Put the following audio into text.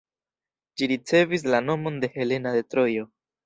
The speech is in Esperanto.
Ĝi ricevis la nomon de Helena de Trojo.